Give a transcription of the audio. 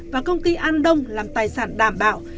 và công ty an đông làm tài sản đảm bảo